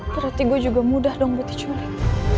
berarti gue juga mudah dong buat dicuri